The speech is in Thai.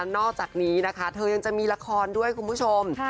นอกจากนี้เธอยังจะมีราคอนด้วยคุณผู้ชม